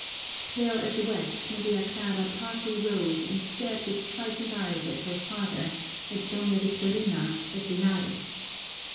Pale as wax, Maria Clara partly rose and stared with frightened eyes at her father, at Doña Victorina, at Linares.